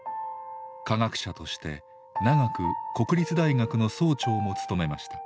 科学者として長く国立大学の総長も務めました。